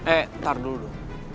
eh ntar dulu